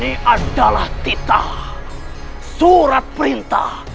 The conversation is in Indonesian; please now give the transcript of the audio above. daratnya adalah retoranaya surat perintah